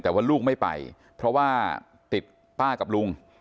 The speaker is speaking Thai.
แต่ว่าลูกไม่ไปเพราะว่าติดป้ากับลุง